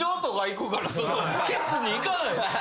ケツにいかないです。